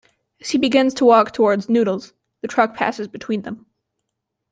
As he begins to walk towards Noodles, the truck passes between them.